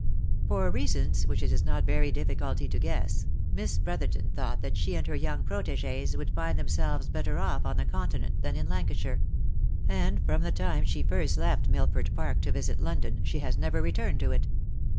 For reasons which it is not very difficulty to guess, Miss Brotherton thought that she and her young protegees would find themselves better off on the continent than in Lancashire ; and from the time she first left Milford Park to visit London, she has never re turned to it.